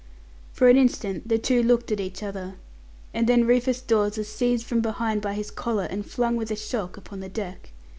For an instant the two looked at each other, and then Rufus Dawes was seized from behind by his collar, and flung with a shock upon the deck.